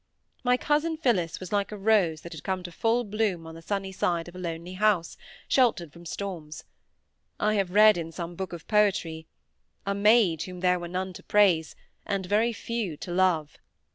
My cousin Phillis was like a rose that had come to full bloom on the sunny side of a lonely house, sheltered from storms. I have read in some book of poetry,— A maid whom there were none to praise, And very few to love.